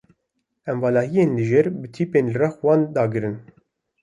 Em valahiyên li jêr bi tîpên li rex wan dagirin.